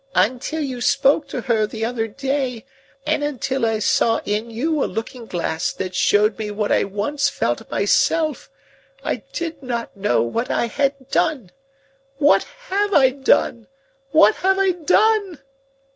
"Until you spoke to her the other day, and until I saw in you a looking glass that showed me what I once felt myself, I did not know what I had done. What have I done! What have I done!"